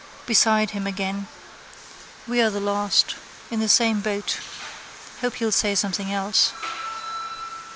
Beside him again. We are the last. In the same boat. Hope he'll say something else.